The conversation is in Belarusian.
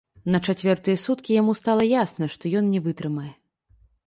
На чацвёртыя суткі яму стала ясна, што ён не вытрымае.